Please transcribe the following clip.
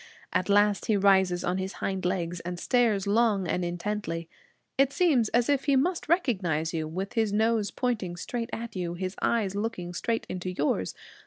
At last he rises on his hind legs, and stares long and intently. It seems as if he must recognize you, with his nose pointing straight at you, his eyes looking straight into yours.